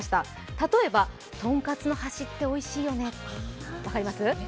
例えばトンカツの端っておいしいよね、分かります？